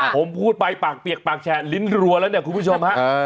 ผมพูดไปปากเปียกปากแฉะลิ้นรัวแล้วเนี่ยคุณผู้ชมฮะ